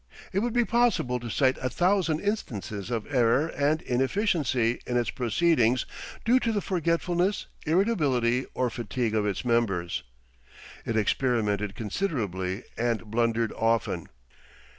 It would be possible to cite a thousand instances of error and inefficiency in its proceedings due to the forgetfulness, irritability, or fatigue of its members. It experimented considerably and blundered often.